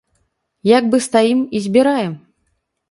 Як бы стаім і збіраем.